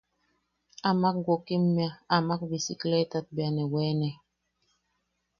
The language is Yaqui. Amak wokimmea, amak bisikleetat bea ne weene.